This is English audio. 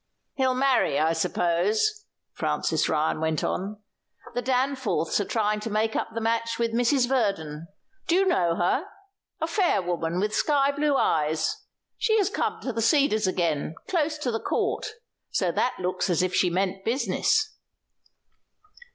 "He'll marry, I suppose," Francis Ryan went on. "The Danforths are trying to make up the match with Mrs. Verdon. Do you know her? A fair woman, with sky blue eyes. She has come to The Cedars again, close to the Court; so that looks as if she meant business."